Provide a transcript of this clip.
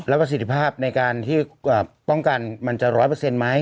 ประสิทธิภาพในการที่ป้องกันมันจะ๑๐๐ไหม